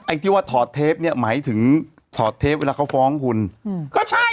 ที่ว่าถอดเทปเนี้ยหมายถึงถอดเทปเวลาเขาฟ้องคุณอืมก็ใช่